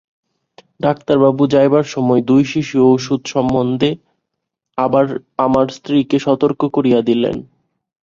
ডাক্তারবাবু যাইবার সময় দুই শিশি ঔষধ সম্বন্ধে আবার আমার স্ত্রীকে সতর্ক করিয়া দিলেন।